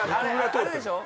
あれでしょ？